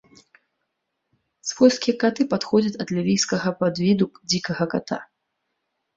Свойскія каты паходзяць ад лівійскага падвіду дзікага ката.